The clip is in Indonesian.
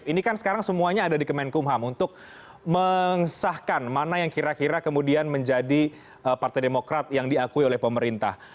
ini kan sekarang semuanya ada di kemenkumham untuk mengesahkan mana yang kira kira kemudian menjadi partai demokrat yang diakui oleh pemerintah